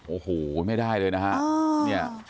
โอ้โหไม่ได้เลยนะฮะ